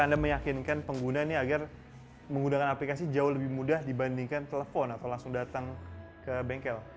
anda meyakinkan pengguna ini agar menggunakan aplikasi jauh lebih mudah dibandingkan telepon atau langsung datang ke bengkel